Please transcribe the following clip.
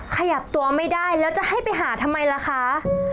ขยับตัวไม่ได้แล้วจะให้ไปหาทำไมล่ะคะ